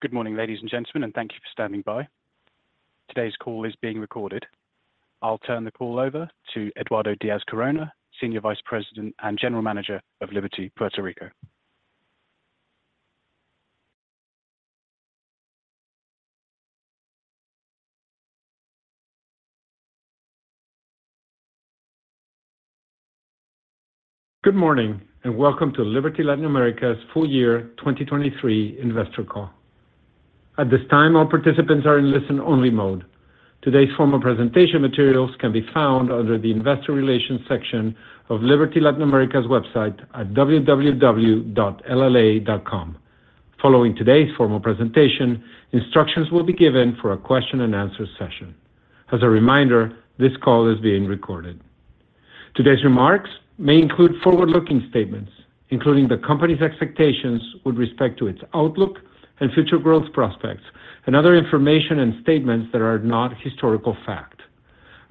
Good morning, ladies and gentlemen, and thank you for standing by. Today's call is being recorded. I'll turn the call over to Eduardo Diaz Corona, Senior Vice President and General Manager of Liberty Puerto Rico. Good morning and welcome to Liberty Latin America's full-year 2023 investor call. At this time, all participants are in listen-only mode. Today's formal presentation materials can be found under the Investor Relations section of Liberty Latin America's website at www.lla.com. Following today's formal presentation, instructions will be given for a question-and-answer session. As a reminder, this call is being recorded. Today's remarks may include forward-looking statements, including the company's expectations with respect to its outlook and future growth prospects, and other information and statements that are not historical fact.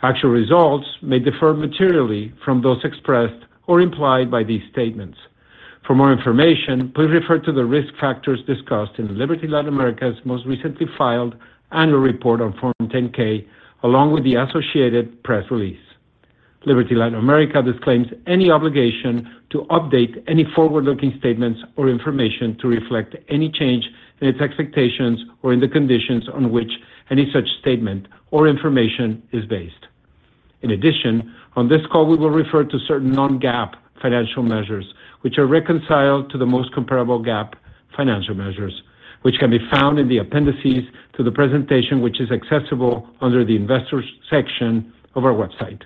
Actual results may differ materially from those expressed or implied by these statements. For more information, please refer to the risk factors discussed in Liberty Latin America's most recently filed annual report on Form 10-K, along with the associated press release. Liberty Latin America disclaims any obligation to update any forward-looking statements or information to reflect any change in its expectations or in the conditions on which any such statement or information is based. In addition, on this call we will refer to certain non-GAAP financial measures, which are reconciled to the most comparable GAAP financial measures, which can be found in the appendices to the presentation which is accessible under the Investors section of our website.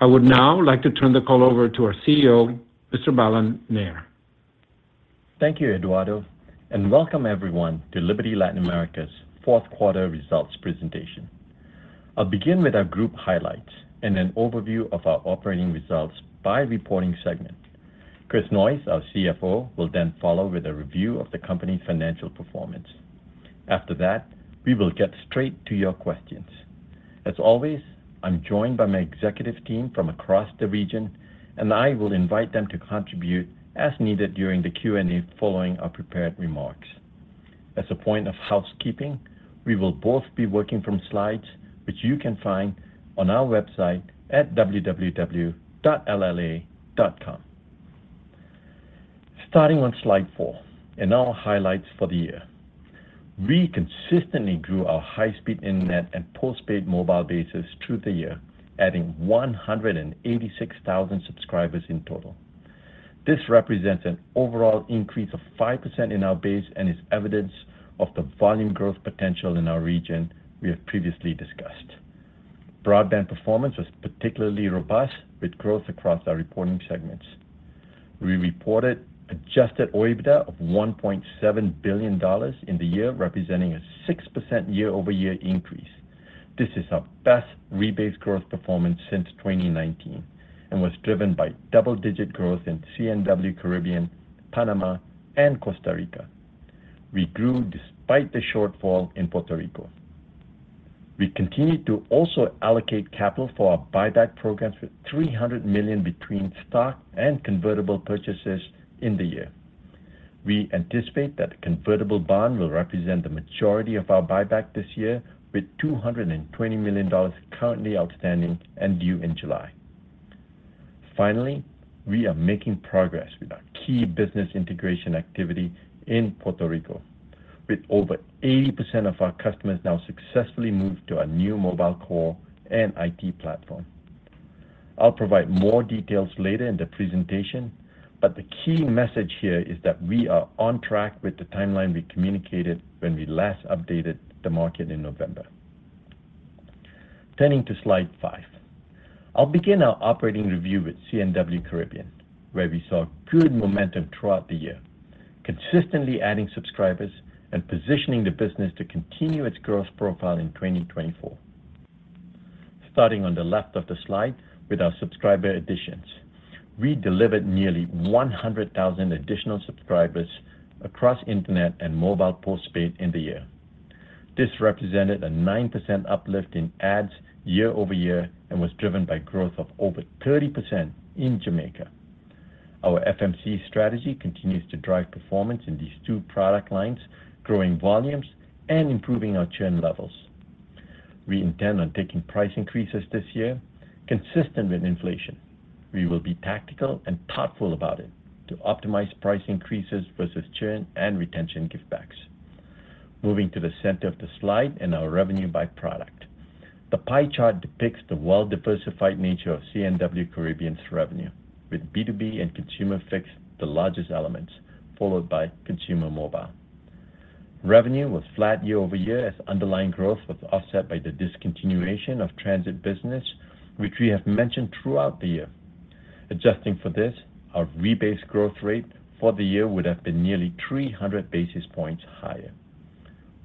I would now like to turn the call over to our CEO, Mr. Balan Nair. Thank you, Eduardo, and welcome everyone to Liberty Latin America's fourth-quarter results presentation. I'll begin with our group highlights and an overview of our operating results by reporting segment. Chris Noyes, our CFO, will then follow with a review of the company's financial performance. After that, we will get straight to your questions. As always, I'm joined by my executive team from across the region, and I will invite them to contribute as needed during the Q&A following our prepared remarks. As a point of housekeeping, we will both be working from slides which you can find on our website at www.lla.com. Starting on slide four, and now highlights for the year. We consistently grew our high-speed internet and postpaid mobile bases through the year, adding 186,000 subscribers in total. This represents an overall increase of 5% in our base and is evidence of the volume growth potential in our region we have previously discussed. Broadband performance was particularly robust with growth across our reporting segments. We reported Adjusted OIBDA of $1.7 billion in the year, representing a 6% year-over-year increase. This is our best rebased growth performance since 2019 and was driven by double-digit growth in C&W Caribbean, Panama, and Costa Rica. We grew despite the shortfall in Puerto Rico. We continue to also allocate capital for our buyback programs with $300 million between stock and convertible purchases in the year. We anticipate that the convertible bond will represent the majority of our buyback this year, with $220 million currently outstanding and due in July. Finally, we are making progress with our key business integration activity in Puerto Rico, with over 80% of our customers now successfully moved to our new mobile core and IT platform. I'll provide more details later in the presentation, but the key message here is that we are on track with the timeline we communicated when we last updated the market in November. Turning to slide five. I'll begin our operating review with C&W Caribbean, where we saw good momentum throughout the year, consistently adding subscribers and positioning the business to continue its growth profile in 2024. Starting on the left of the slide with our subscriber additions, we delivered nearly 100,000 additional subscribers across internet and mobile postpaid in the year. This represented a 9% uplift in adds year-over-year and was driven by growth of over 30% in Jamaica. Our FMC strategy continues to drive performance in these two product lines, growing volumes and improving our churn levels. We intend on taking price increases this year, consistent with inflation. We will be tactical and thoughtful about it to optimize price increases versus churn and retention give-backs. Moving to the center of the slide and our revenue by product. The pie chart depicts the well-diversified nature of C&W Caribbean's revenue, with B2B and consumer fixed the largest elements, followed by consumer mobile. Revenue was flat year-over-year as underlying growth was offset by the discontinuation of transit business, which we have mentioned throughout the year. Adjusting for this, our rebased growth rate for the year would have been nearly 300 basis points higher.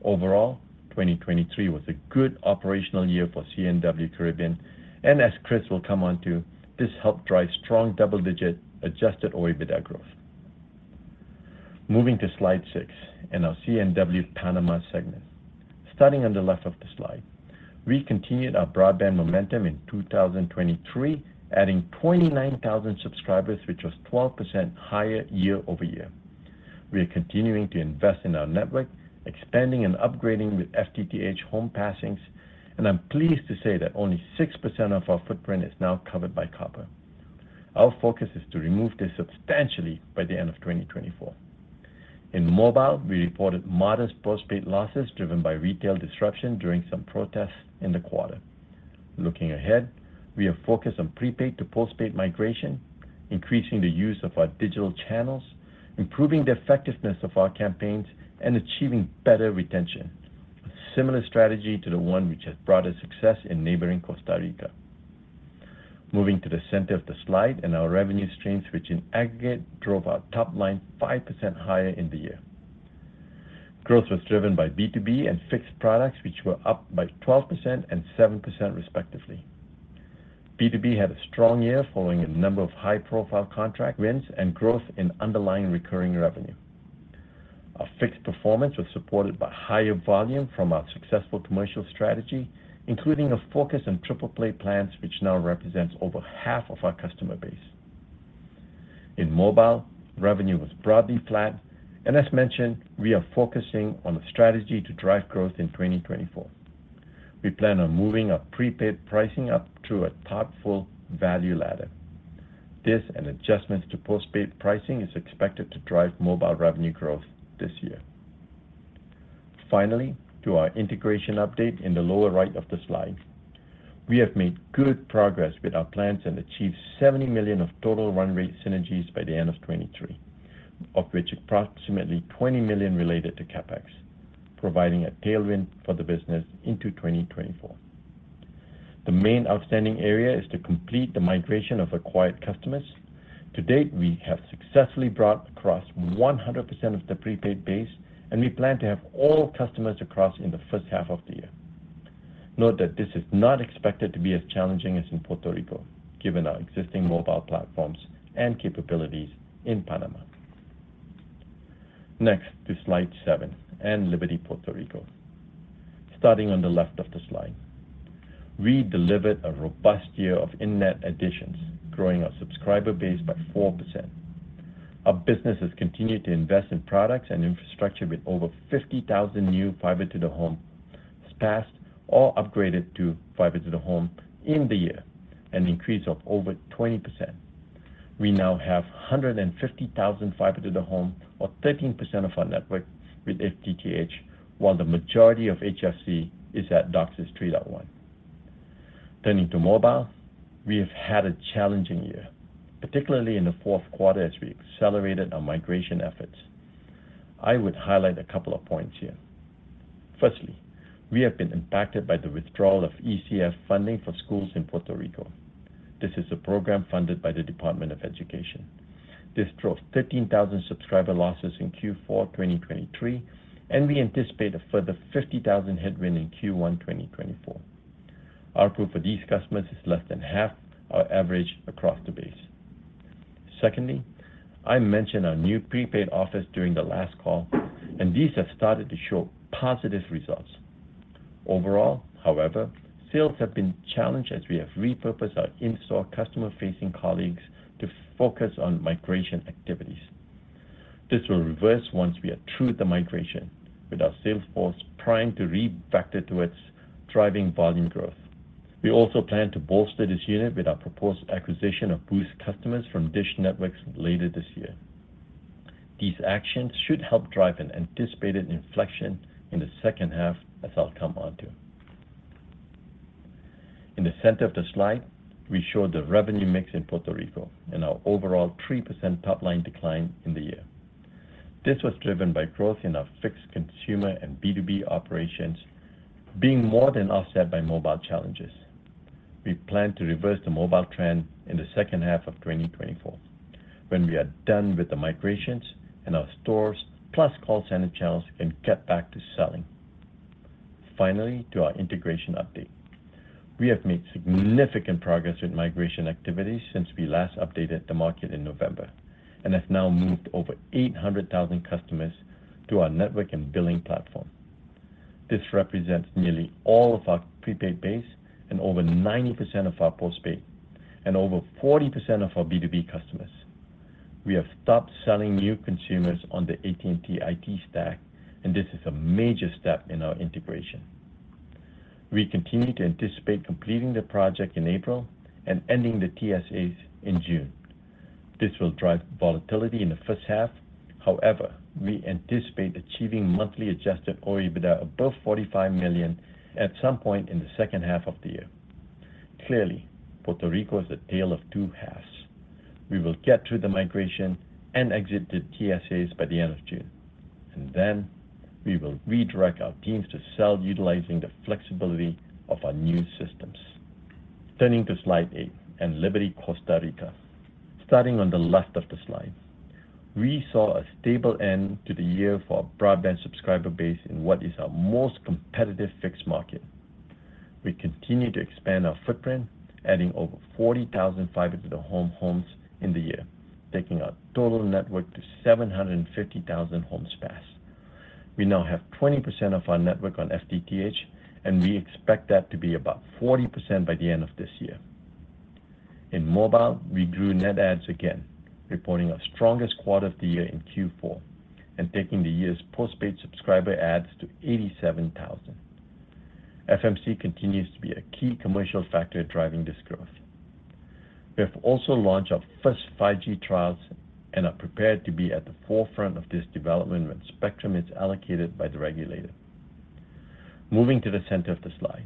Overall, 2023 was a good operational year for C&W Caribbean, and as Chris will come on to, this helped drive strong Adjusted OIBDA growth. Moving to slide 6 and our C&W Panama segment. Starting on the left of the slide. We continued our broadband momentum in 2023, adding 29,000 subscribers, which was 12% higher year-over-year. We are continuing to invest in our network, expanding and upgrading with FTTH home passings, and I'm pleased to say that only 6% of our footprint is now covered by copper. Our focus is to remove this substantially by the end of 2024. In mobile, we reported modest postpaid losses driven by retail disruption during some protests in the quarter. Looking ahead, we have focused on prepaid to postpaid migration, increasing the use of our digital channels, improving the effectiveness of our campaigns, and achieving better retention, a similar strategy to the one which has brought us success in neighboring Costa Rica. Moving to the center of the slide and our revenue streams, which in aggregate drove our top line 5% higher in the year. Growth was driven by B2B and fixed products, which were up by 12% and 7% respectively. B2B had a strong year following a number of high-profile contract wins and growth in underlying recurring revenue. Our fixed performance was supported by higher volume from our successful commercial strategy, including a focus on triple-play plans, which now represents over half of our customer base. In mobile, revenue was broadly flat, and as mentioned, we are focusing on a strategy to drive growth in 2024. We plan on moving our prepaid pricing up through a thoughtful value ladder. This and adjustments to postpaid pricing is expected to drive mobile revenue growth this year. Finally, to our integration update in the lower right of the slide. We have made good progress with our plans and achieved $70 million of total run-rate synergies by the end of 2023, of which approximately $20 million related to CapEx, providing a tailwind for the business into 2024. The main outstanding area is to complete the migration of acquired customers. To date, we have successfully brought across 100% of the prepaid base, and we plan to have all customers across in the first half of the year. Note that this is not expected to be as challenging as in Puerto Rico, given our existing mobile platforms and capabilities in Panama. Next, to slide 7 and Liberty Puerto Rico. Starting on the left of the slide. We delivered a robust year of internet additions, growing our subscriber base by 4%. Our business has continued to invest in products and infrastructure with over 50,000 new fiber-to-the-home passed or upgraded to fiber-to-the-home in the year, an increase of over 20%. We now have 150,000 fiber-to-the-home, or 13% of our network, with FTTH, while the majority of HFC is at DOCSIS 3.1. Turning to mobile. We have had a challenging year, particularly in the fourth quarter as we accelerated our migration efforts. I would highlight a couple of points here. Firstly, we have been impacted by the withdrawal of ECF funding for schools in Puerto Rico. This is a program funded by the Department of Education. This drove 13,000 subscriber losses in Q4 2023, and we anticipate a further 50,000 headwind in Q1 2024. Our ARPU of these customers is less than half our average across the base. Secondly, I mentioned our new prepaid offers during the last call, and these have started to show positive results. Overall, however, sales have been challenged as we have repurposed our in-store customer-facing colleagues to focus on migration activities. This will reverse once we are through the migration, with our sales force primed to refactor towards driving volume growth. We also plan to bolster this unit with our proposed acquisition of Boost customers from DISH Network later this year. These actions should help drive an anticipated inflection in the second half, as I'll come on to. In the center of the slide, we show the revenue mix in Puerto Rico and our overall 3% top line decline in the year. This was driven by growth in our fixed consumer and B2B operations, being more than offset by mobile challenges. We plan to reverse the mobile trend in the second half of 2024, when we are done with the migrations and our stores plus call center channels can cut back to selling. Finally, to our integration update. We have made significant progress with migration activities since we last updated the market in November and have now moved over 800,000 customers to our network and billing platform. This represents nearly all of our prepaid base and over 90% of our postpaid and over 40% of our B2B customers. We have stopped selling new consumers on the AT&T IT stack, and this is a major step in our integration. We continue to anticipate completing the project in April and ending the TSAs in June. This will drive volatility in the first half. However, we anticipate achieving monthly Adjusted OIBDA above $45 million at some point in the second half of the year. Clearly, Puerto Rico is a tale of two halves. We will get through the migration and exit the TSAs by the end of June, and then we will redirect our teams to sell utilizing the flexibility of our new systems. Turning to slide 8 and Liberty Costa Rica. Starting on the left of the slide. We saw a stable end to the year for our broadband subscriber base in what is our most competitive fixed market. We continue to expand our footprint, adding over 40,000 fiber-to-the-home homes in the year, taking our total network to 750,000 homes passed. We now have 20% of our network on FTTH, and we expect that to be about 40% by the end of this year. In mobile, we grew net adds again, reporting our strongest quarter of the year in Q4 and taking the year's postpaid subscriber adds to 87,000. FMC continues to be a key commercial factor driving this growth. We have also launched our first 5G trials and are prepared to be at the forefront of this development when spectrum is allocated by the regulator. Moving to the center of the slide.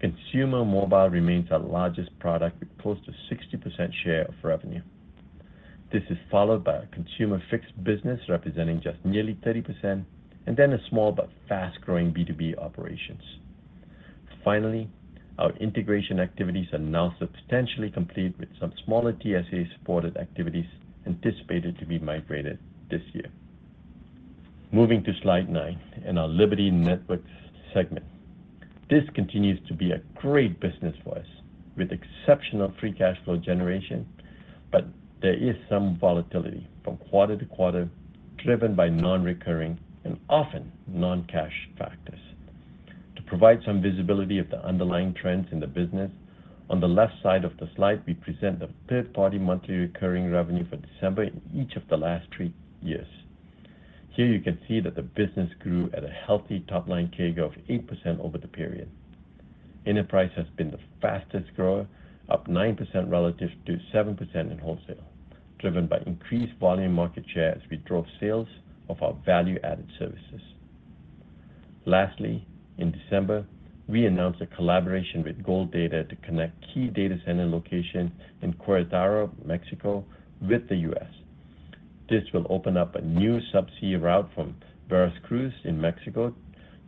Consumer mobile remains our largest product with close to 60% share of revenue. This is followed by our consumer fixed business representing just nearly 30%, and then a small but fast-growing B2B operations. Finally, our integration activities are now substantially complete, with some smaller TSA-supported activities anticipated to be migrated this year. Moving to slide 9 and our Liberty Networks segment. This continues to be a great business for us with exceptional free cash flow generation, but there is some volatility from quarter to quarter, driven by non-recurring and often non-cash factors. To provide some visibility of the underlying trends in the business. On the left side of the slide, we present the third-party monthly recurring revenue for December in each of the last three years. Here, you can see that the business grew at a healthy top line CAGR of 8% over the period. Enterprise has been the fastest grower, up 9% relative to 7% in wholesale, driven by increased volume market share as we drove sales of our value-added services. Lastly, in December, we announced a collaboration with Gold Data to connect key data center locations in Querétaro, Mexico, with the U.S. This will open up a new subsea route from Veracruz in Mexico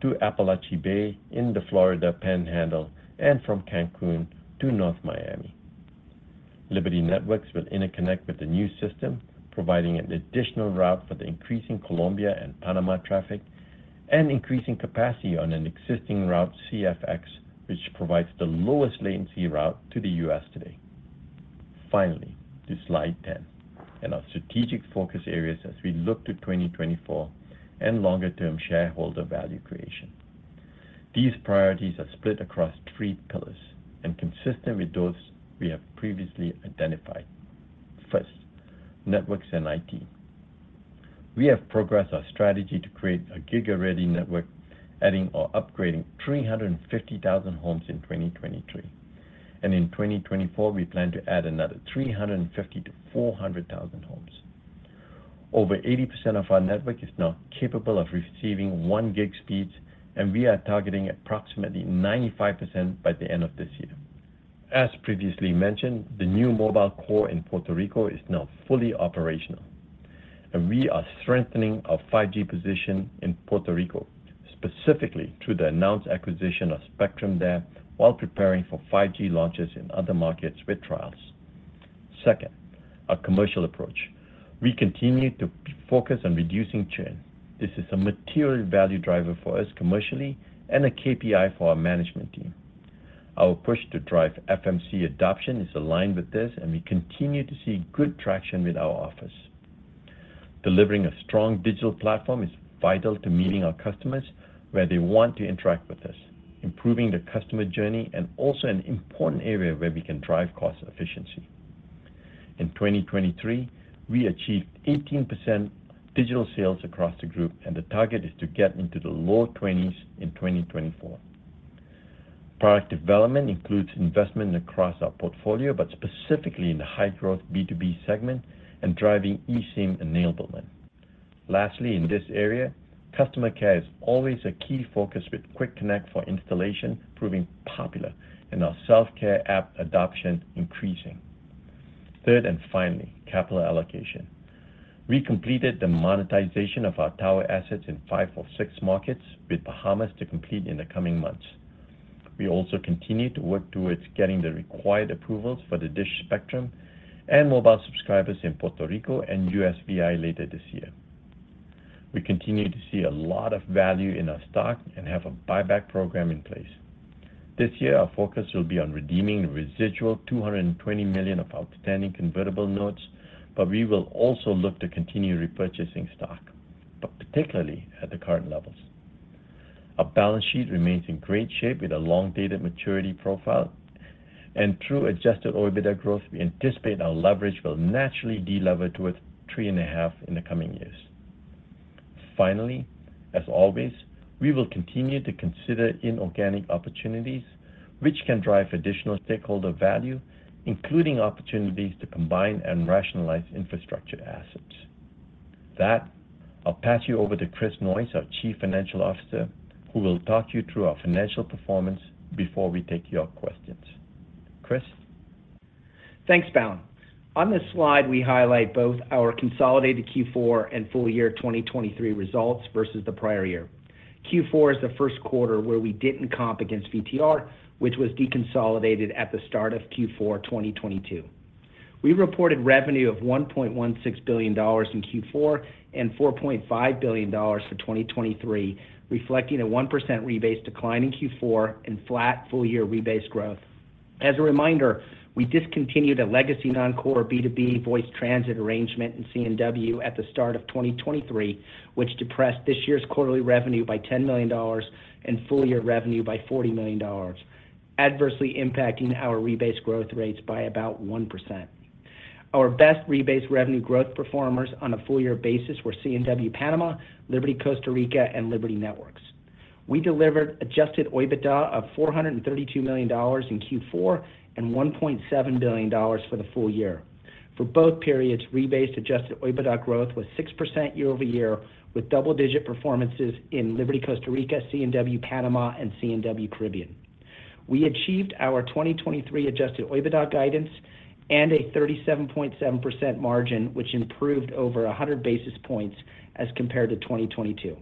to Apalachee Bay in the Florida Panhandle and from Cancún to North Miami. Liberty Networks will interconnect with the new system, providing an additional route for the increasing Colombia and Panama traffic and increasing capacity on an existing route, CFX, which provides the lowest latency route to the U.S. today. Finally, to slide 10 and our strategic focus areas as we look to 2024 and longer-term shareholder value creation. These priorities are split across three pillars and consistent with those we have previously identified. First, networks and IT. We have progressed our strategy to create a gig-ready network, adding or upgrading 350,000 homes in 2023, and in 2024, we plan to add another 350,000-400,000 homes. Over 80% of our network is now capable of receiving one-gig speeds, and we are targeting approximately 95% by the end of this year. As previously mentioned, the new mobile core in Puerto Rico is now fully operational, and we are strengthening our 5G position in Puerto Rico, specifically through the announced acquisition of spectrum from Dish while preparing for 5G launches in other markets with trials. Second, our commercial approach. We continue to focus on reducing churn. This is a material value driver for us commercially and a KPI for our management team. Our push to drive FMC adoption is aligned with this, and we continue to see good traction with our office. Delivering a strong digital platform is vital to meeting our customers where they want to interact with us, improving the customer journey, and also an important area where we can drive cost efficiency. In 2023, we achieved 18% digital sales across the group, and the target is to get into the low 20s in 2024. Product development includes investment across our portfolio, but specifically in the high-growth B2B segment and driving eSIM enablement. Lastly, in this area, customer care is always a key focus with Quick Connect for installation, proving popular, and our self-care app adoption increasing. Third and finally, capital allocation. We completed the monetization of our tower assets in five of six markets, with Bahamas to complete in the coming months. We also continue to work towards getting the required approvals for the DISH spectrum and mobile subscribers in Puerto Rico and USVI later this year. We continue to see a lot of value in our stock and have a buyback program in place. This year, our focus will be on redeeming the residual $220 million of outstanding convertible notes, but we will also look to continue repurchasing stock, but particularly at the current levels. Our balance sheet remains in great shape with a long-dated maturity profile, and Adjusted OIBDA growth, we anticipate our leverage will naturally delever towards 3.5 in the coming years. Finally, as always, we will continue to consider inorganic opportunities, which can drive additional stakeholder value, including opportunities to combine and rationalize infrastructure assets. That, I'll pass you over to Chris Noyes, our Chief Financial Officer, who will talk you through our financial performance before we take your questions. Chris? Thanks, Bal. On this slide, we highlight both our consolidated Q4 and full year 2023 results versus the prior year. Q4 is the first quarter where we didn't comp against VTR, which was deconsolidated at the start of Q4 2022. We reported revenue of $1.16 billion in Q4 and $4.5 billion for 2023, reflecting a 1% rebase decline in Q4 and flat full-year rebase growth. As a reminder, we discontinued a legacy non-core B2B voice transit arrangement in C&W at the start of 2023, which depressed this year's quarterly revenue by $10 million and full-year revenue by $40 million, adversely impacting our rebase growth rates by about 1%. Our best rebase revenue growth performers on a full-year basis were C&W Panama, Liberty Costa Rica, and Liberty Networks. We delivered Adjusted OIBDA of $432 million in Q4 and $1.7 billion for the full year. For both periods, rebase Adjusted OIBDA growth was 6% year-over-year, with double-digit performances in Liberty Costa Rica, C&W Panama, and C&W Caribbean. We achieved our 2023 Adjusted OIBDA guidance and a 37.7% margin, which improved over 100 basis points as compared to 2022.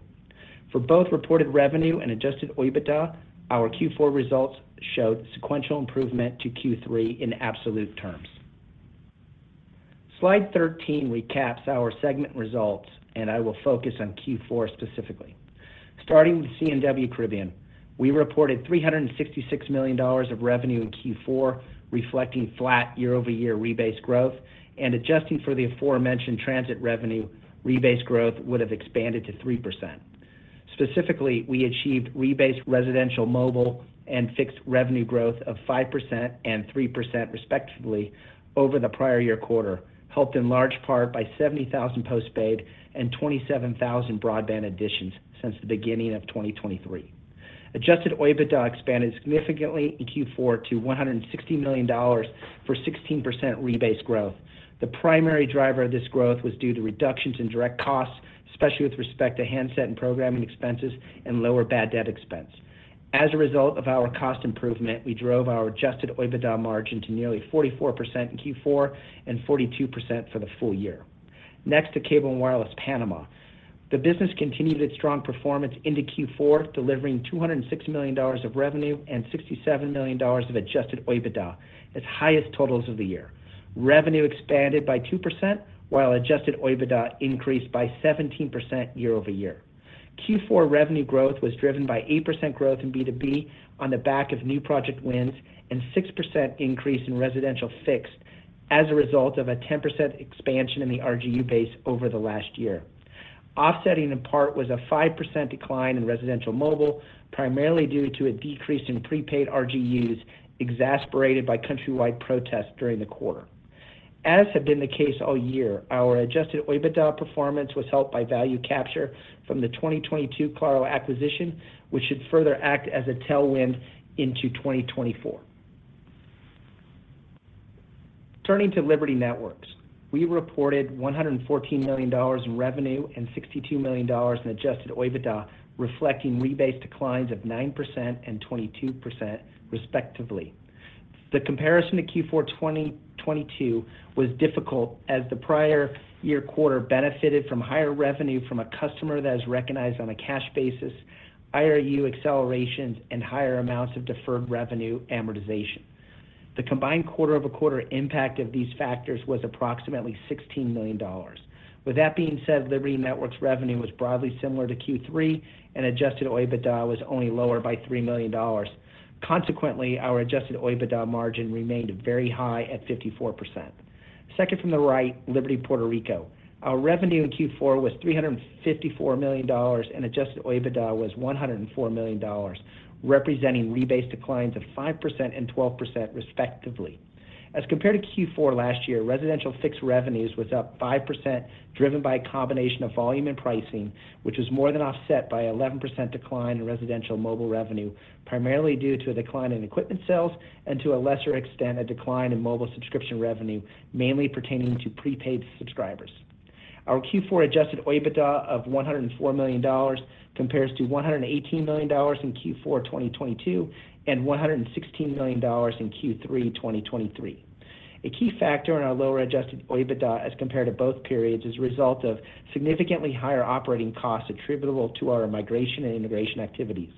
For both reported revenue and Adjusted OIBDA, our Q4 results showed sequential improvement to Q3 in absolute terms. Slide 13 recaps our segment results, and I will focus on Q4 specifically. Starting with C&W Caribbean, we reported $366 million of revenue in Q4, reflecting flat year-over-year rebase growth, and adjusting for the aforementioned transit revenue, rebase growth would have expanded to 3%. Specifically, we achieved rebase residential mobile and fixed revenue growth of 5% and 3%, respectively, over the prior year quarter, helped in large part by 70,000 postpaid and 27,000 broadband additions since the beginning of 2023. Adjusted OIBDA expanded significantly in Q4 to $160 million for 16% rebase growth. The primary driver of this growth was due to reductions in direct costs, especially with respect to handset and programming expenses and lower bad debt expense. As a result of our cost improvement, we drove our Adjusted OIBDA margin to nearly 44% in Q4 and 42% for the full year. Next, to Cable & Wireless Panama. The business continued its strong performance into Q4, delivering $206 million of revenue and $67 million of Adjusted OIBDA, its highest totals of the year. Revenue expanded by 2% while Adjusted OIBDA increased by 17% year-over-year. Q4 revenue growth was driven by 8% growth in B2B on the back of new project wins and 6% increase in residential fixed as a result of a 10% expansion in the RGU base over the last year. Offsetting in part was a 5% decline in residential mobile, primarily due to a decrease in prepaid RGUs exacerbated by countrywide protests during the quarter. As had been the case all year, our Adjusted OIBDA performance was helped by value capture from the 2022 Claro acquisition, which should further act as a tailwind into 2024. Turning to Liberty Networks. We reported $114 million in revenue and $62 million in Adjusted OIBDA, reflecting rebase declines of 9% and 22%, respectively. The comparison to Q4 2022 was difficult as the prior year quarter benefited from higher revenue from a customer that is recognized on a cash basis, IRU accelerations, and higher amounts of deferred revenue amortization. The combined quarter-over-quarter impact of these factors was approximately $16 million. With that being said, Liberty Networks' revenue was broadly similar to Q3, and Adjusted OIBDA was only lower by $3 million. Consequently, our Adjusted OIBDA margin remained very high at 54%. Second from the right, Liberty Puerto Rico. Our revenue in Q4 was $354 million, and Adjusted OIBDA was $104 million, representing rebase declines of 5% and 12%, respectively. As compared to Q4 last year, residential fixed revenues was up 5%, driven by a combination of volume and pricing, which was more than offset by an 11% decline in residential mobile revenue, primarily due to a decline in equipment sales and to a lesser extent a decline in mobile subscription revenue, mainly pertaining to prepaid subscribers. Our Q4 Adjusted OIBDA of $104 million compares to $118 million in Q4 2022 and $116 million in Q3 2023. A key factor in our lower Adjusted OIBDA as compared to both periods is a result of significantly higher operating costs attributable to our migration and integration activities.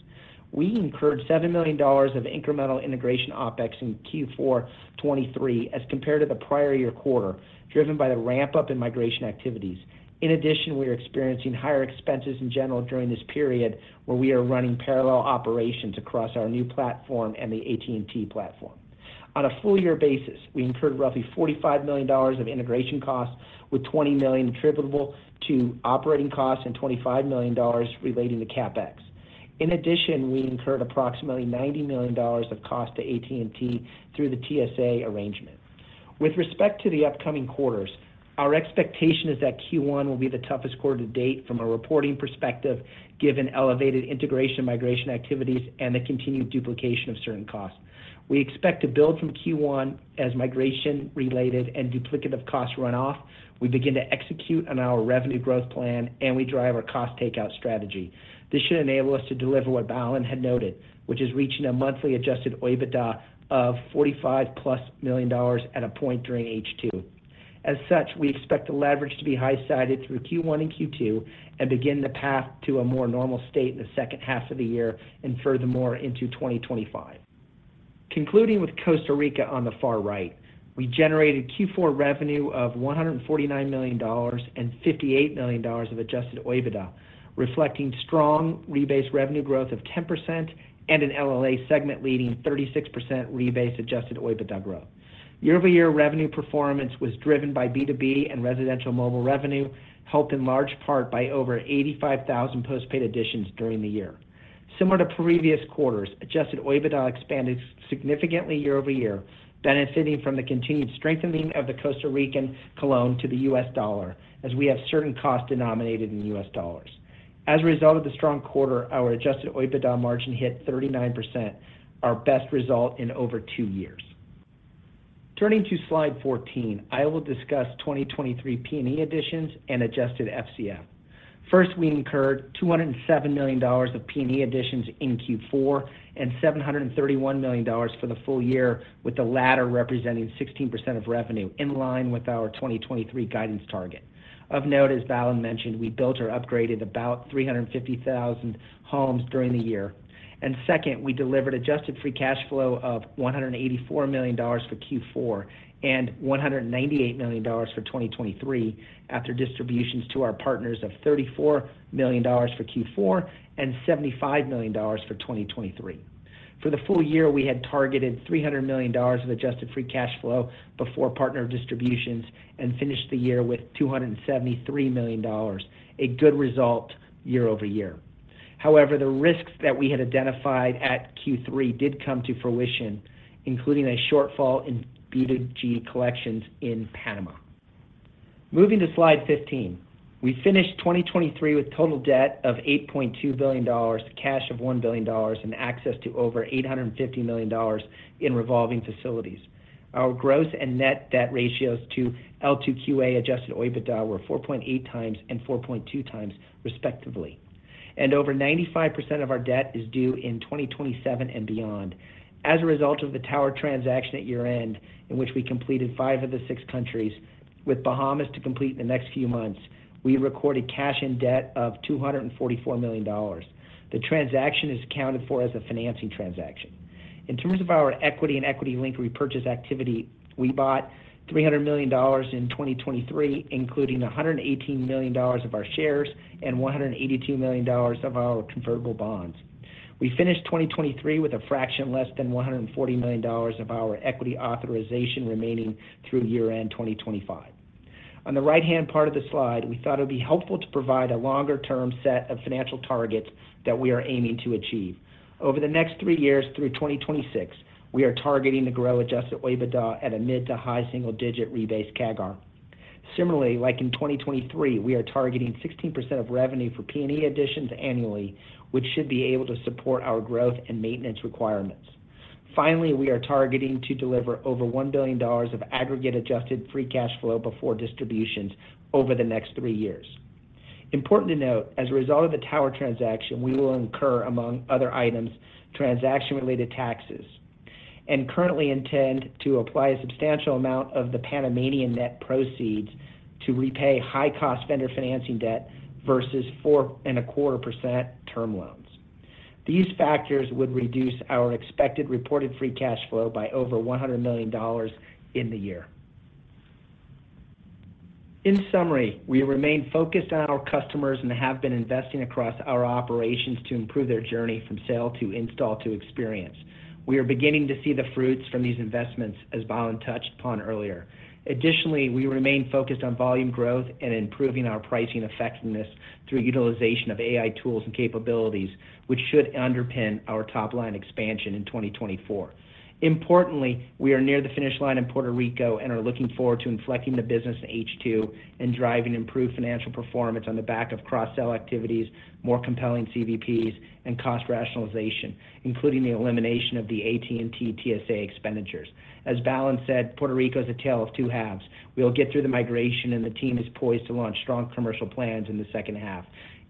We incurred $7 million of incremental integration OpEx in Q4 2023 as compared to the prior year quarter, driven by the ramp-up in migration activities. In addition, we are experiencing higher expenses in general during this period where we are running parallel operations across our new platform and the AT&T platform. On a full-year basis, we incurred roughly $45 million of integration costs, with $20 million attributable to operating costs and $25 million relating to CapEx. In addition, we incurred approximately $90 million of cost to AT&T through the TSA arrangement. With respect to the upcoming quarters, our expectation is that Q1 will be the toughest quarter to date from a reporting perspective, given elevated integration migration activities and the continued duplication of certain costs. We expect to build from Q1 as migration-related and duplicative costs run off. We begin to execute on our revenue growth plan, and we drive our cost takeout strategy. This should enable us to deliver what Balan had noted, which is reaching a monthly Adjusted OIBDA of $45+ million at a point during H2. As such, we expect the leverage to be high-sided through Q1 and Q2 and begin the path to a more normal state in the second half of the year and furthermore into 2025. Concluding with Costa Rica on the far right. We generated Q4 revenue of $149 million and $58 million of Adjusted OIBDA, reflecting strong rebase revenue growth of 10% and an LLA segment leading 36% rebase Adjusted OIBDA growth. Year-over-year revenue performance was driven by B2B and residential mobile revenue, helped in large part by over 85,000 postpaid additions during the year. Similar to previous quarters, Adjusted OIBDA expanded significantly year over year, benefiting from the continued strengthening of the Costa Rican colón to the U.S. dollar, as we have certain costs denominated in U.S. dollars. As a result of the strong quarter, our Adjusted OIBDA margin hit 39%, our best result in over two years. Turning to slide 14, I will discuss 2023 P&E additions and adjusted FCF. First, we incurred $207 million of P&E additions in Q4 and $731 million for the full year, with the latter representing 16% of revenue, in line with our 2023 guidance target. Of note, as Balan mentioned, we built or upgraded about 350,000 homes during the year. And second, we delivered adjusted free cash flow of $184 million for Q4 and $198 million for 2023, after distributions to our partners of $34 million for Q4 and $75 million for 2023. For the full year, we had targeted $300 million of adjusted free cash flow before partner distributions and finished the year with $273 million, a good result year-over-year. However, the risks that we had identified at Q3 did come to fruition, including a shortfall in B2G collections in Panama. Moving to slide 15. We finished 2023 with total debt of $8.2 billion, cash of $1 billion, and access to over $850 million in revolving facilities. Our gross and net debt ratios to L2QA Adjusted OIBDA were 4.8 times and 4.2 times, respectively. Over 95% of our debt is due in 2027 and beyond. As a result of the tower transaction at year-end, in which we completed five of the six countries, with Bahamas to complete in the next few months, we recorded cash in debt of $244 million. The transaction is accounted for as a financing transaction. In terms of our equity and equity-linked repurchase activity, we bought $300 million in 2023, including $118 million of our shares and $182 million of our convertible bonds. We finished 2023 with a fraction less than $140 million of our equity authorisation remaining through year-end 2025. On the right-hand part of the slide, we thought it would be helpful to provide a longer-term set of financial targets that we are aiming to achieve. Over the next three years through 2026, we are targeting to grow Adjusted OIBDA at a mid to high single-digit rebase CAGR. Similarly, like in 2023, we are targeting 16% of revenue for P&E additions annually, which should be able to support our growth and maintenance requirements. Finally, we are targeting to deliver over $1 billion of aggregate Adjusted Free Cash Flow before distributions over the next three years. Important to note, as a result of the tower transaction, we will incur, among other items, transaction-related taxes and currently intend to apply a substantial amount of the Panamanian net proceeds to repay high-cost vendor financing debt versus 4.25% term loans. These factors would reduce our expected reported free cash flow by over $100 million in the year. In summary, we remain focused on our customers and have been investing across our operations to improve their journey from sale to install to experience. We are beginning to see the fruits from these investments, as Balan touched upon earlier. Additionally, we remain focused on volume growth and improving our pricing effectiveness through utilization of AI tools and capabilities, which should underpin our top-line expansion in 2024. Importantly, we are near the finish line in Puerto Rico and are looking forward to inflecting the business in H2 and driving improved financial performance on the back of cross-sell activities, more compelling CVPs, and cost rationalization, including the elimination of the AT&T TSA expenditures. As Balan said, Puerto Rico is a tale of two halves. We will get through the migration, and the team is poised to launch strong commercial plans in the second half.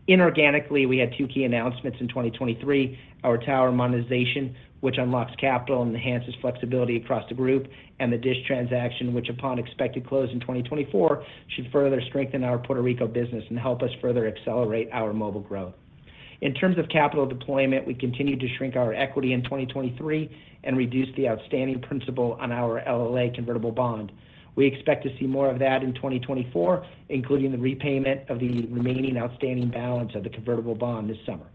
Inorganically, we had two key announcements in 2023: our tower monetization, which unlocks capital and enhances flexibility across the group, and the DISH transaction, which, upon expected close in 2024, should further strengthen our Puerto Rico business and help us further accelerate our mobile growth. In terms of capital deployment, we continue to shrink our equity in 2023 and reduce the outstanding principal on our LLA convertible bond. We expect to see more of that in 2024, including the repayment of the remaining outstanding balance of the convertible bond this summer.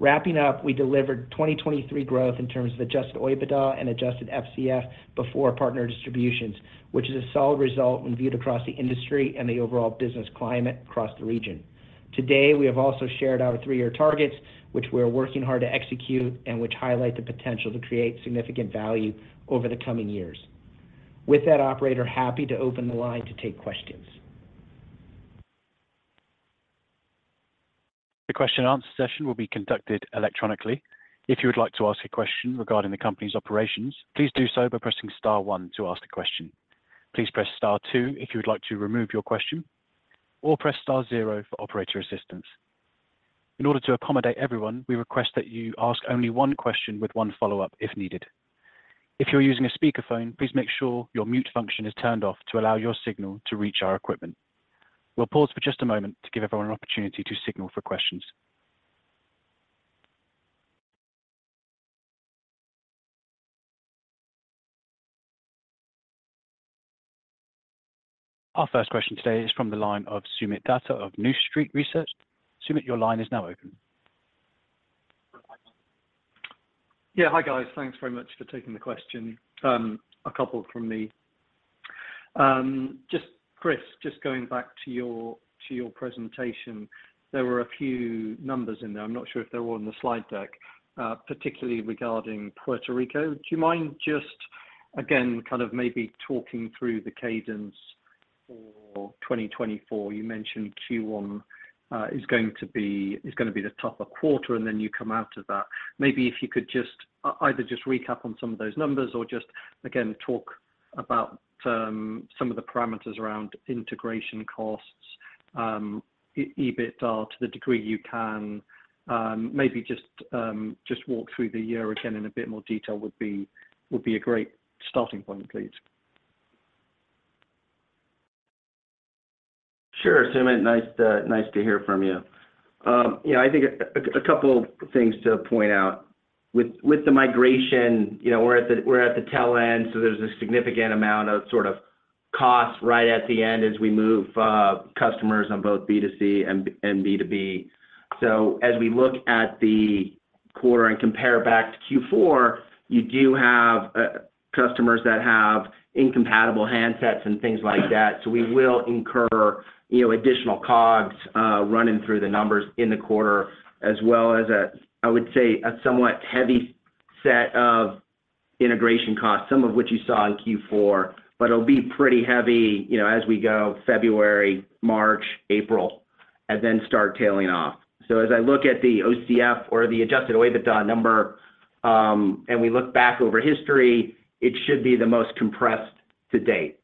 Wrapping up, we delivered 2023 growth in terms of Adjusted OIBDA and adjusted FCF before partner distributions, which is a solid result when viewed across the industry and the overall business climate across the region. Today, we have also shared our three-year targets, which we are working hard to execute and which highlight the potential to create significant value over the coming years. With that, I'm happy to open the line to take questions. The question-and-answer session will be conducted electronically. If you would like to ask a question regarding the company's operations, please do so by pressing star one to ask a question. Please press star two if you would like to remove your question, or press star zero for operator assistance. In order to accommodate everyone, we request that you ask only one question with one follow-up if needed. If you're using a speakerphone, please make sure your mute function is turned off to allow your signal to reach our equipment. We'll pause for just a moment to give everyone an opportunity to signal for questions. Our first question today is from the line of Soomit Datta of New Street Research. Soomit, your line is now open. Yeah, hi guys. Thanks very much for taking the question. A couple from me. Chris, just going back to your presentation, there were a few numbers in there. I'm not sure if they were on the slide deck, particularly regarding Puerto Rico. Do you mind just, again, kind of maybe talking through the cadence for 2024? You mentioned Q1 is going to be the tougher quarter, and then you come out of that. Maybe if you could either just recap on some of those numbers or just, again, talk about some of the parameters around integration costs, EBITDA, to the degree you can. Maybe just walk through the year again in a bit more detail would be a great starting point, please. Sure, Soomit. Nice to hear from you. I think a couple of things to point out. With the migration, we're at the tail end, so there's a significant amount of sort of costs right at the end as we move customers on both B2C and B2B. So as we look at the quarter and compare back to Q4, you do have customers that have incompatible handsets and things like that. So we will incur additional COGS running through the numbers in the quarter, as well as, I would say, a somewhat heavy set of integration costs, some of which you saw in Q4, but it'll be pretty heavy as we go, February, March, April, and then start tailing off. So as I look at the OCF or the Adjusted OIBDA number and we look back over history, it should be the most compressed to date.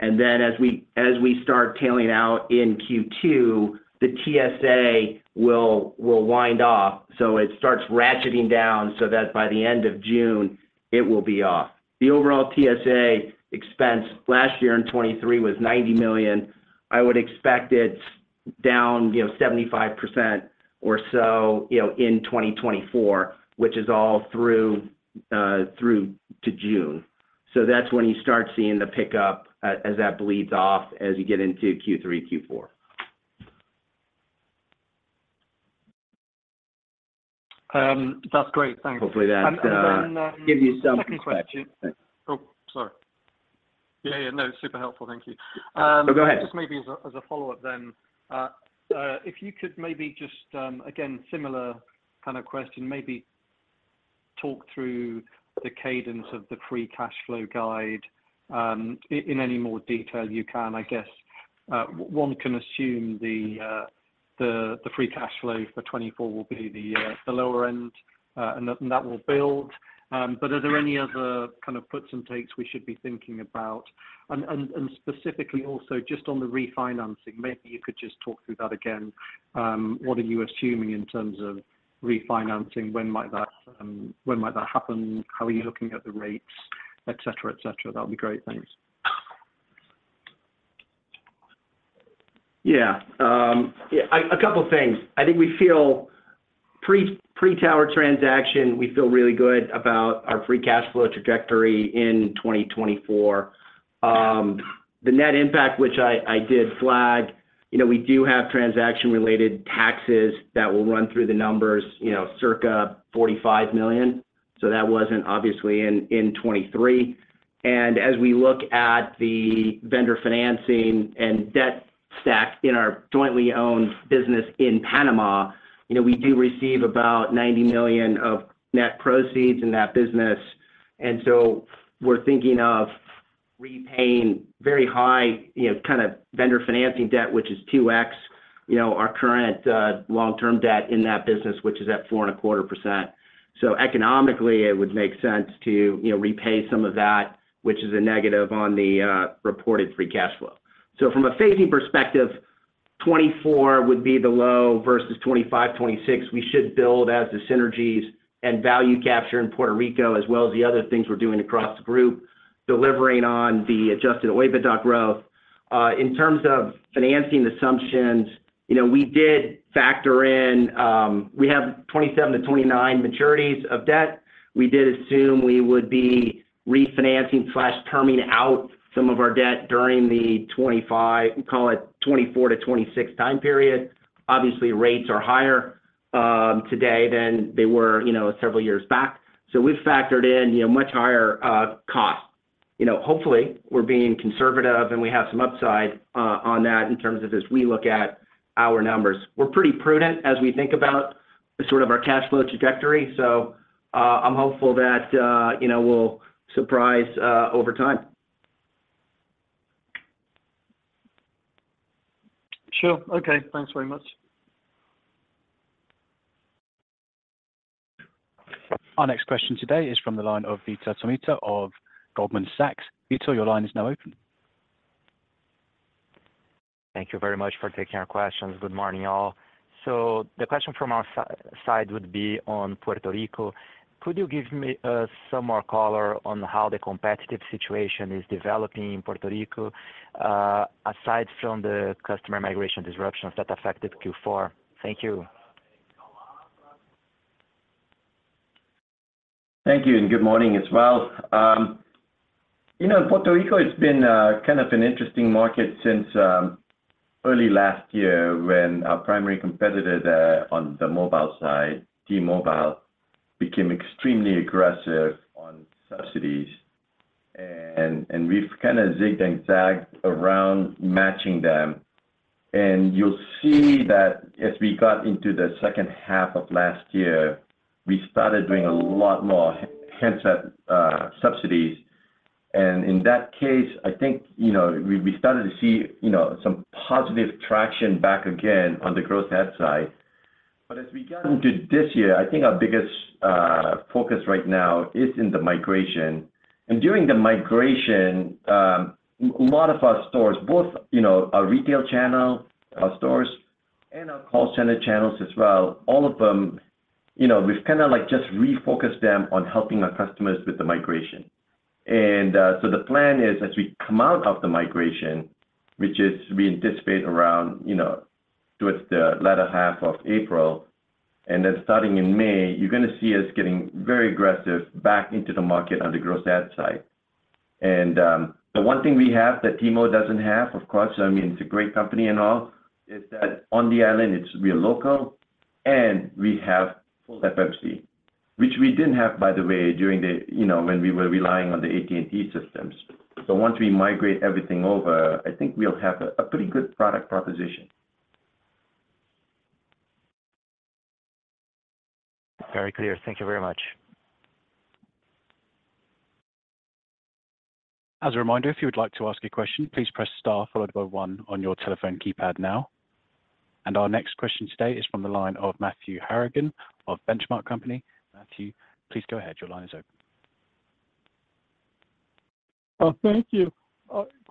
And then as we start tailing out in Q2, the TSA will wind off, so it starts ratcheting down so that by the end of June, it will be off. The overall TSA expense last year in 2023 was $90 million. I would expect it's down 75% or so in 2024, which is all through to June. So that's when you start seeing the pickup as that bleeds off as you get into Q3, Q4. That's great. Thanks. Hopefully, that gives you some questions. Oh, sorry. Yeah, yeah. No, super helpful. Thank you. Just maybe as a follow-up then, if you could maybe just, again, similar kind of question, maybe talk through the cadence of the free cash flow guide in any more detail you can. I guess one can assume the free cash flow for 2024 will be the lower end, and that will build. But are there any other kind of puts and takes we should be thinking about? And specifically also, just on the refinancing, maybe you could just talk through that again. What are you assuming in terms of refinancing? When might that happen? How are you looking at the rates, etc., etc.? That would be great. Thanks. Yeah. A couple of things. I think we feel pre-tower transaction, we feel really good about our free cash flow trajectory in 2024. The net impact, which I did flag, we do have transaction-related taxes that will run through the numbers, circa $45 million. So that wasn't obviously in 2023. And as we look at the vendor financing and debt stack in our jointly owned business in Panama, we do receive about $90 million of net proceeds in that business. And so we're thinking of repaying very high kind of vendor financing debt, which is 2x our current long-term debt in that business, which is at 4.25%. So economically, it would make sense to repay some of that, which is a negative on the reported free cash flow. So from a phasing perspective, 2024 would be the low versus 2025, 2026. We should build as the synergies and value capture in Puerto Rico, as well as the other things we're doing across the group, delivering on the Adjusted OIBDA growth. In terms of financing assumptions, we did factor in we have 2027 to 2029 maturities of debt. We did assume we would be refinancing/terming out some of our debt during the 2025, we call it 2024 to 2026 time period. Obviously, rates are higher today than they were several years back. So we've factored in much higher costs. Hopefully, we're being conservative, and we have some upside on that in terms of as we look at our numbers. We're pretty prudent as we think about sort of our cash flow trajectory. So I'm hopeful that we'll surprise over time. Sure. Okay. Thanks very much. Our next question today is from the line of Vitor Tomita of Goldman Sachs. Vitor, your line is now open. Thank you very much for taking our questions. Good morning, y'all. So the question from our side would be on Puerto Rico. Could you give me some more color on how the competitive situation is developing in Puerto Rico aside from the customer migration disruptions that affected Q4? Thank you. Thank you, and good morning as well. Puerto Rico has been kind of an interesting market since early last year when our primary competitor on the mobile side, T-Mobile, became extremely aggressive on subsidies. And we've kind of zigzagged around matching them. And you'll see that as we got into the second half of last year, we started doing a lot more handset subsidies. And in that case, I think we started to see some positive traction back again on the gross adds side. But as we got into this year, I think our biggest focus right now is in the migration. During the migration, a lot of our stores, both our retail channel, our stores, and our call center channels as well, all of them, we've kind of just refocused them on helping our customers with the migration. So the plan is as we come out of the migration, which we anticipate around towards the latter half of April, and then starting in May, you're going to see us getting very aggressive back into the market on the gross adds side. And the one thing we have that T-Mobile doesn't have, of course, I mean, it's a great company and all, is that on the island, we're local, and we have full FMC, which we didn't have, by the way, during the when we were relying on the AT&T systems. So once we migrate everything over, I think we'll have a pretty good product proposition. Very clear. Thank you very much. As a reminder, if you would like to ask a question, please press star followed by one on your telephone keypad now. Our next question today is from the line of Matthew Harrigan of Benchmark Company. Matthew, please go ahead. Your line is open. Thank you.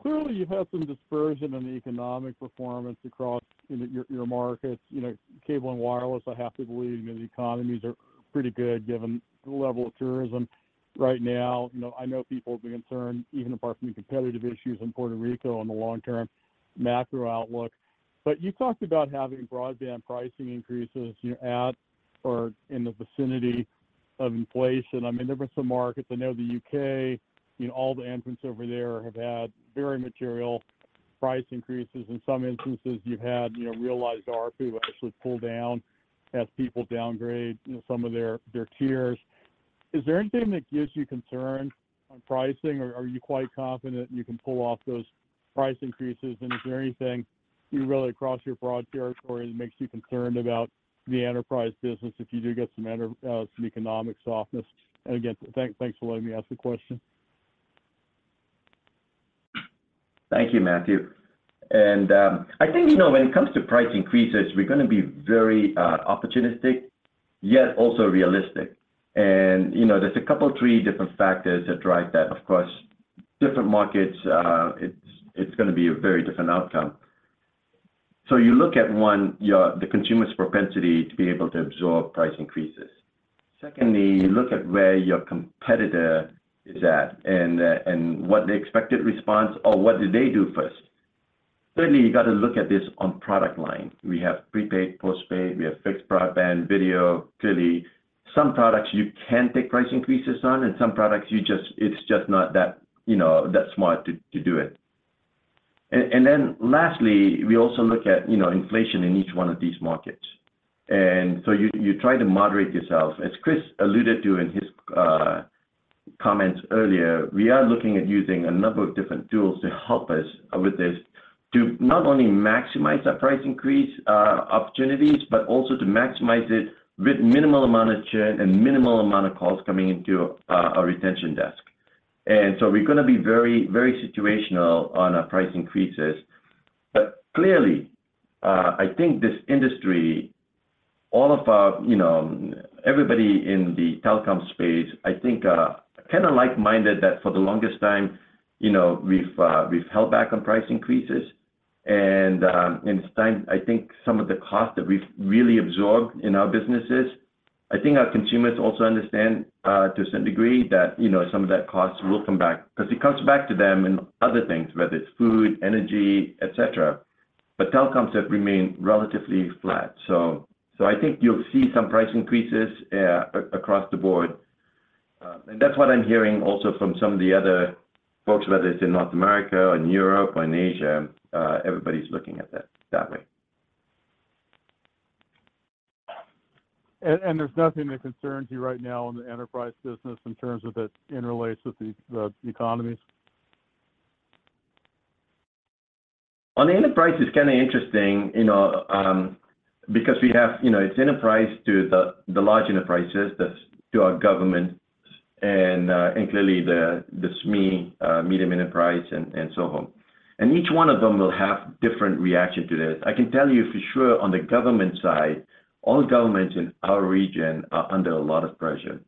Clearly, you have some dispersion in the economic performance across your markets. Cable & Wireless, I have to believe, the economies are pretty good given the level of tourism right now. I know people will be concerned, even apart from the competitive issues in Puerto Rico in the long-term macro outlook. But you talked about having broadband pricing increases at or in the vicinity of inflation. I mean, there were some markets. I know the U.K., all the entrants over there have had very material price increases. In some instances, you've had realized ARPU actually pull down as people downgrade some of their tiers. Is there anything that gives you concern on pricing, or are you quite confident you can pull off those price increases? And is there anything really across your broad territory that makes you concerned about the enterprise business if you do get some economic softness? And again, thanks for letting me ask the question. Thank you, Matthew. And I think when it comes to price increases, we're going to be very opportunistic, yet also realistic. And there's a couple, three different factors that drive that. Of course, different markets, it's going to be a very different outcome. So you look at one, the consumer's propensity to be able to absorb price increases. Secondly, you look at where your competitor is at and what the expected response or what did they do first. Thirdly, you got to look at this on product line. We have prepaid, postpaid. We have fixed broadband, video. Clearly, some products you can take price increases on, and some products, it's just not that smart to do it. And then lastly, we also look at inflation in each one of these markets. And so you try to moderate yourself. As Chris alluded to in his comments earlier, we are looking at using a number of different tools to help us with this to not only maximize our price increase opportunities, but also to maximize it with minimal amount of churn and minimal amount of costs coming into our retention desk. And so we're going to be very, very situational on our price increases. But clearly, I think this industry, all of our everybody in the telecom space, I think kind of like-minded that for the longest time, we've held back on price increases. And it's time, I think, some of the costs that we've really absorbed in our businesses. I think our consumers also understand to a certain degree that some of that cost will come back because it comes back to them in other things, whether it's food, energy, etc. But telecoms have remained relatively flat. So I think you'll see some price increases across the board. And that's what I'm hearing also from some of the other folks, whether it's in North America or in Europe or in Asia. Everybody's looking at that way. And there's nothing that concerns you right now in the enterprise business in terms of it interrelates with the economies? On the enterprise, it's kind of interesting because we have it's enterprise to the large enterprises, to our government, and clearly the SME, medium enterprise, and so on. And each one of them will have different reaction to this. I can tell you for sure, on the government side, all governments in our region are under a lot of pressure.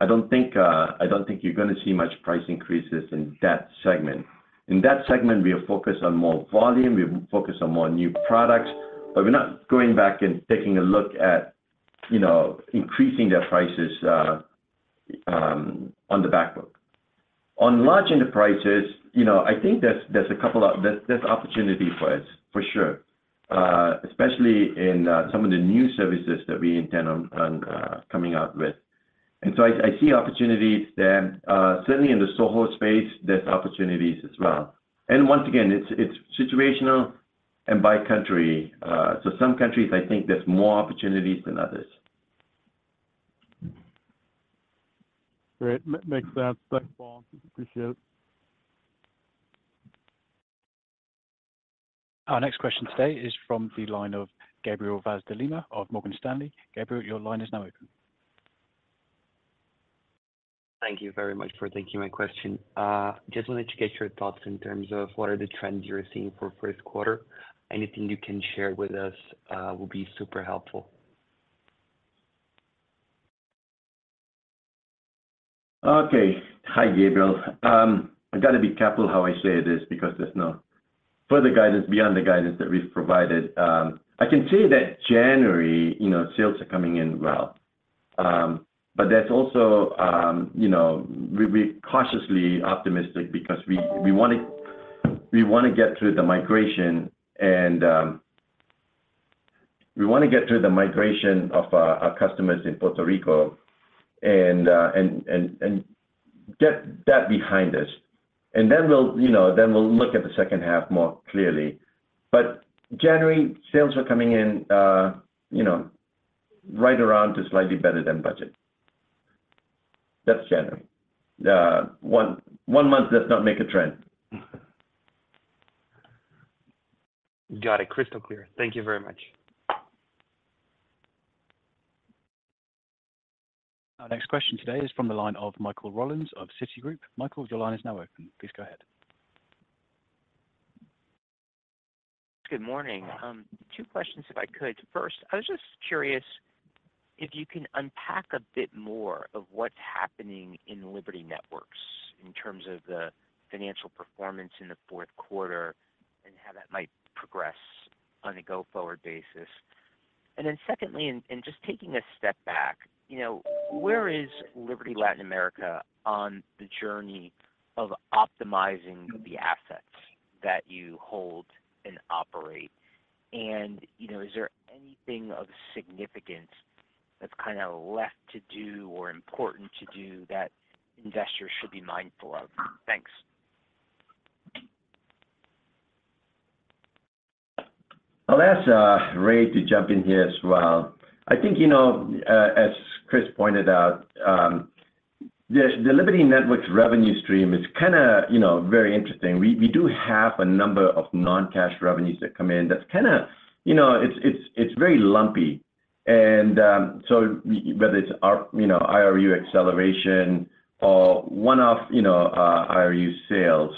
I don't think you're going to see much price increases in that segment. In that segment, we are focused on more volume. We're focused on more new products, but we're not going back and taking a look at increasing their prices on the backbook. On large enterprises, I think there's a couple of opportunity for us, for sure, especially in some of the new services that we intend on coming out with. And so I see opportunities there. Certainly, in the SOHO space, there's opportunities as well. Once again, it's situational and by country. So some countries, I think there's more opportunities than others. Great. Makes sense. Thanks, Balan. Appreciate it. Our next question today is from the line of Gabriel Vaz de Lima of Morgan Stanley. Gabriel, your line is now open. Thank you very much for taking my question. Just wanted to get your thoughts in terms of what are the trends you're seeing for first quarter. Anything you can share with us will be super helpful. Okay. Hi, Gabriel. I got to be careful how I say this because there's no further guidance beyond the guidance that we've provided. I can say that January, sales are coming in well. But there's also we're cautiously optimistic because we want to get through the migration, and we want to get through the migration of our customers in Puerto Rico and get that behind us. And then we'll look at the second half more clearly. But January, sales are coming in right around to slightly better than budget. That's January. One month does not make a trend. Got it. Crystal clear. Thank you very much. Our next question today is from the line of Michael Rollins of Citigroup. Michael, your line is now open. Please go ahead. Good morning. Two questions, if I could. First, I was just curious if you can unpack a bit more of what's happening in Liberty Networks in terms of the financial performance in the fourth quarter and how that might progress on a go-forward basis. And then secondly, and just taking a step back, where is Liberty Latin America on the journey of optimizing the assets that you hold and operate? Is there anything of significance that's kind of left to do or important to do that investors should be mindful of? Thanks. I'll ask Ray to jump in here as well. I think, as Chris pointed out, the Liberty Networks revenue stream is kind of very interesting. We do have a number of non-cash revenues that come in that's kind of it's very lumpy. And so whether it's IRU acceleration or one-off IRU sales.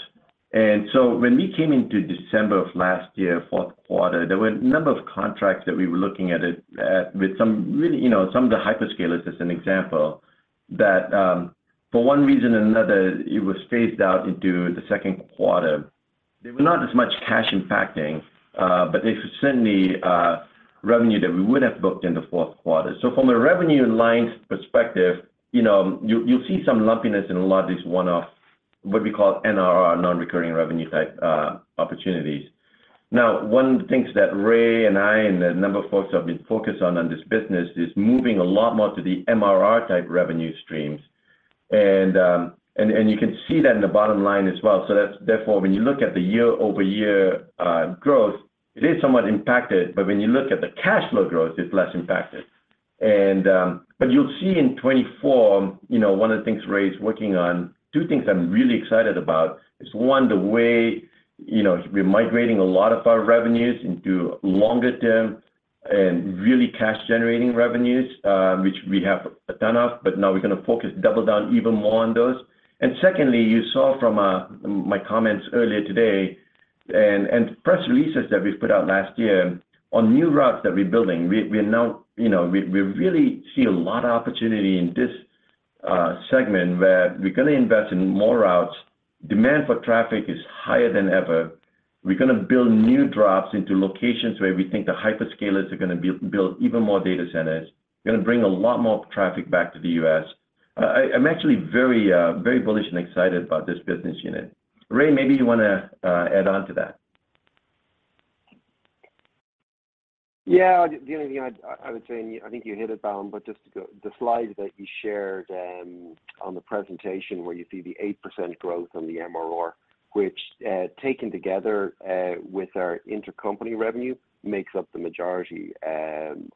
And so when we came into December of last year, fourth quarter, there were a number of contracts that we were looking at with some of the hyperscalers, as an example, that for one reason or another, it was phased out into the second quarter. There was not as much cash impacting, but there's certainly revenue that we would have booked in the fourth quarter. So from a revenue lines perspective, you'll see some lumpiness in a lot of these one-off, what we call NRR, non-recurring revenue type opportunities. Now, one of the things that Ray and I and a number of folks have been focused on in this business is moving a lot more to the MRR type revenue streams. And you can see that in the bottom line as well. So therefore, when you look at the year-over-year growth, it is somewhat impacted, but when you look at the cash flow growth, it's less impacted. But you'll see in 2024, one of the things Ray's working on, two things I'm really excited about is, one, the way we're migrating a lot of our revenues into longer-term and really cash-generating revenues, which we have a ton of, but now we're going to focus, double down even more on those. And secondly, you saw from my comments earlier today and press releases that we've put out last year on new routes that we're building. We really see a lot of opportunity in this segment where we're going to invest in more routes. Demand for traffic is higher than ever. We're going to build new drops into locations where we think the hyperscalers are going to build even more data centers. We're going to bring a lot more traffic back to the U.S. I'm actually very bullish and excited about this business unit. Ray, maybe you want to add on to that. Yeah. The only thing I would say, and I think you hit it, Bal, but just the slides that you shared on the presentation where you see the 8% growth on the MRR, which taken together with our intercompany revenue makes up the majority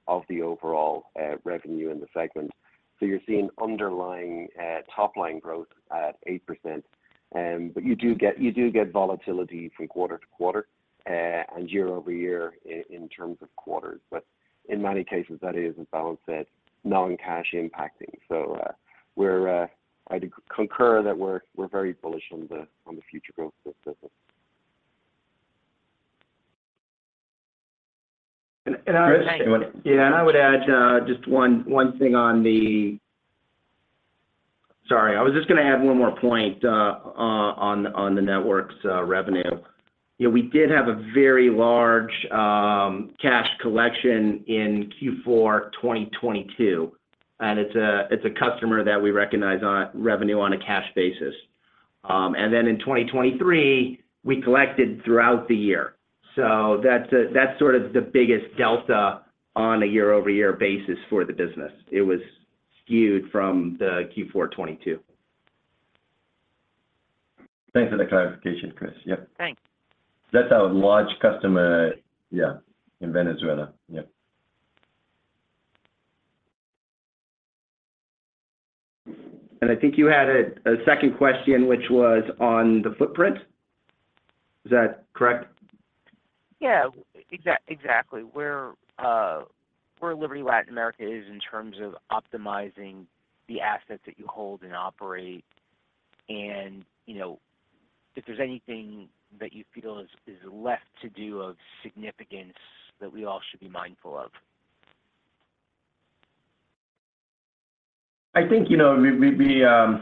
of the overall revenue in the segment. So you're seeing underlying top-line growth at 8%. But you do get volatility from quarter to quarter and year over year in terms of quarters. But in many cases, that is, as Bal said, non-cash impacting. So I concur that we're very bullish on the future growth of this business. And I would add yeah. And I would add just one thing on the sorry. I was just going to add one more point on the networks revenue. We did have a very large cash collection in Q4 2022, and it's a customer that we recognize on revenue on a cash basis. And then in 2023, we collected throughout the year. So that's sort of the biggest delta on a year-over-year basis for the business. It was skewed from the Q4 2022. Thanks for the clarification, Chris. Yep. Thanks. That's our large customer, yeah, in Venezuela. Yep. And I think you had a second question, which was on the footprint. Is that correct? Yeah. Exactly. Where Liberty Latin America is in terms of optimizing the assets that you hold and operate, and if there's anything that you feel is left to do of significance that we all should be mindful of. I think we're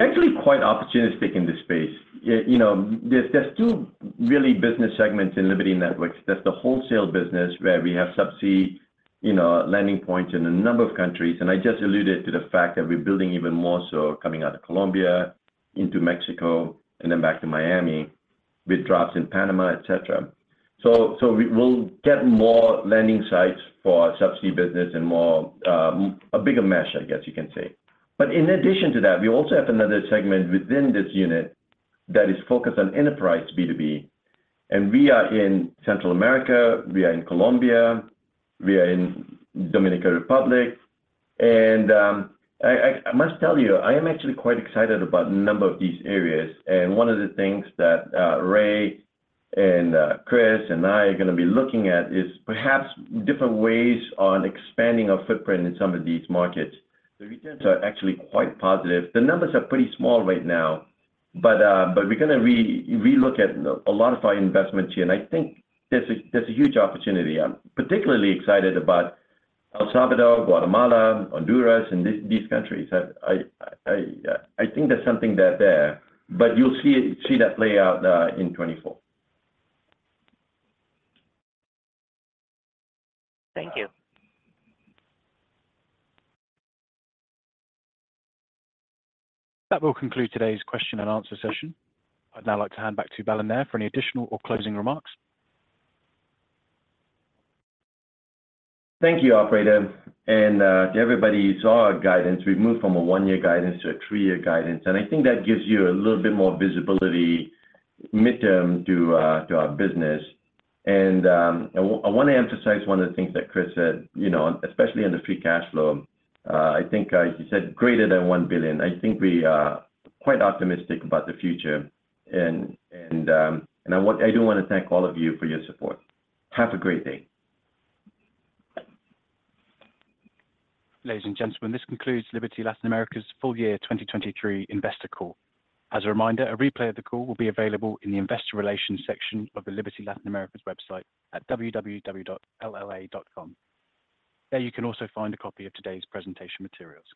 actually quite opportunistic in this space. There's two really business segments in Liberty Networks. There's the Wholesale business where we have subsea landing points in a number of countries. I just alluded to the fact that we're building even more so coming out of Colombia into Mexico and then back to Miami with drops in Panama, etc. We'll get more landing sites for subsea business and a bigger mesh, I guess you can say. In addition to that, we also have another segment within this unit that is focused on Enterprise B2B. We are in Central America. We are in Colombia. We are in Dominican Republic. I must tell you, I am actually quite excited about a number of these areas. One of the things that Ray and Chris and I are going to be looking at is perhaps different ways on expanding our footprint in some of these markets. The returns are actually quite positive. The numbers are pretty small right now, but we're going to relook at a lot of our investments here. And I think there's a huge opportunity. I'm particularly excited about El Salvador, Guatemala, Honduras, and these countries. I think there's something there, but you'll see that play out in 2024. Thank you. That will conclude today's question-and-answer session. I'd now like to hand back to Balan Nair for any additional or closing remarks. Thank you, Operator. And to everybody, you saw our guidance. We've moved from a one-year guidance to a three-year guidance. And I think that gives you a little bit more visibility midterm to our business. And I want to emphasize one of the things that Chris said, especially on the free cash flow. I think he said, "Greater than $1 billion." I think we are quite optimistic about the future. I do want to thank all of you for your support. Have a great day. Ladies and gentlemen, this concludes Liberty Latin America's full-year 2023 investor call. As a reminder, a replay of the call will be available in the Investor Relations section of the Liberty Latin America's website at www.lla.com. There you can also find a copy of today's presentation materials.